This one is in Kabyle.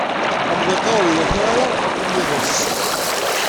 Amḍiq-a ur iwata ara i yiḍes.